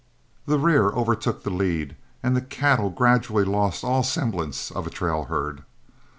The rear overtook the lead, and the cattle gradually lost all semblance of a trail herd.